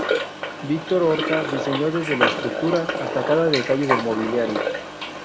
Víctor Horta diseñó desde la estructura hasta cada detalle del mobiliario.